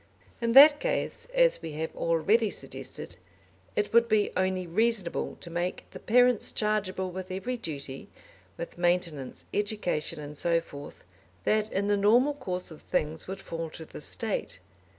In that case, as we have already suggested, it would be only reasonable to make the parents chargeable with every duty, with maintenance, education, and so forth, that in the normal course of things would fall to the State.